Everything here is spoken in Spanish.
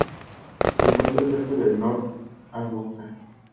Colaboró regularmente en la prensa especializada de Lisboa.